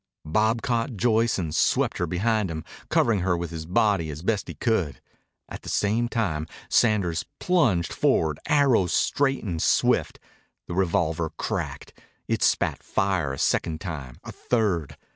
Bob caught Joyce and swept her behind him, covering her with his body as best he could. At the same time Sanders plunged forward, arrow straight and swift. The revolver cracked. It spat fire a second time, a third.